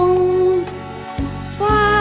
ไม่ใช้ค่ะ